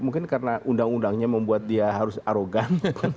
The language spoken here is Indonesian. mungkin karena undang undangnya membuat dia harus arogan